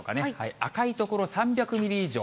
赤い所、３００ミリ以上。